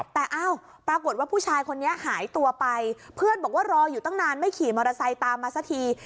แต่อ้าวปรากฏว่าผู้ชายคนนี้หายตัวไปเพื่อนบอกว่ารออยู่ตั้งนานไม่ขี่มอเตอร์ไซค์ตามมาสักที